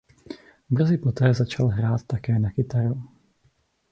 Brzy poté začal hrát také na kytaru.